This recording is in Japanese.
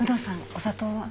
お砂糖は？